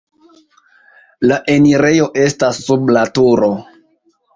La enirejo estas sub la turo.